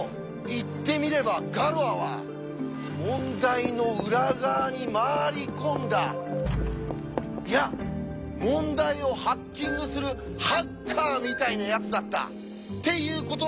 言ってみればガロアは問題の裏側に回り込んだいや問題をハッキングするハッカーみたいなやつだったっていうことなんですよ！